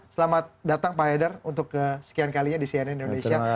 selamat datang pak haidar untuk kesekian kalinya di cnn indonesia